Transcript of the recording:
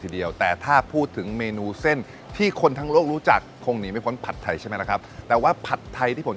เดี๋ยวตามผมไปสื่อสารกับเราเส้น